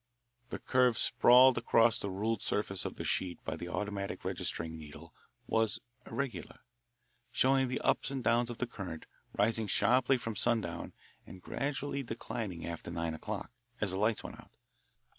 The curve sprawled across the ruled surface of the sheet by the automatic registering needle was irregular, showing the ups and downs of the current, rising sharply from sundown and gradually declining after nine o'clock, as the lights went out.